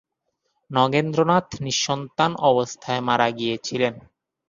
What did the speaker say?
নগেন্দ্রনাথ নিঃসন্তান অবস্থায় মারা গিয়েছিলেন।